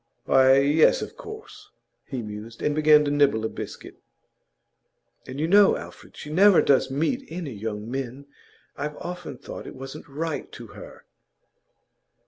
'Why yes, of course.' He mused, and began to nibble a biscuit. 'And you know, Alfred, she never does meet any young men. I've often thought it wasn't right to her.